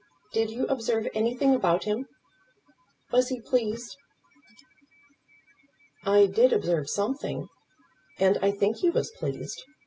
Did you observe anything about him? Was he pleased?" "I did observe something, and I think he was pleased.